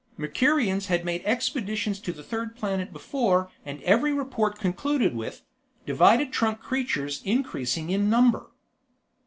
Mercurians had made expeditions to the third planet before and every report concluded with "Divided trunk creatures increasing in number."